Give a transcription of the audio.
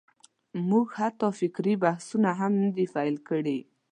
موږ حتی فکري بحثونه هم نه دي پېل کړي.